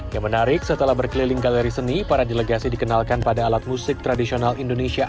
yang menarik setelah berkeliling galeri seni para delegasi dikenalkan pada alat musik tradisional indonesia